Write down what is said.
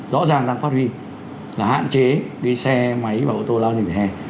rõ ràng đang phát huy là hạn chế cái xe máy và ô tô leo lên vỉa hè